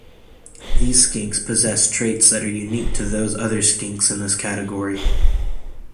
These skinks possess traits that are unique to those other skinks in this category.